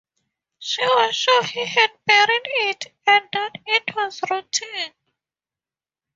She was sure he had buried it and that it was rotting.